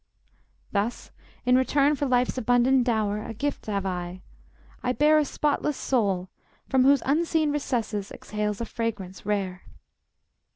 Thus, in return for life's abundant dower, A gift have I: I bear A spotless soul, from whose unseen recesses Exhales a fragrance rare.